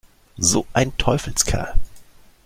So ein Teufelskerl!